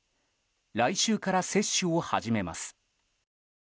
来週から接種を始めます。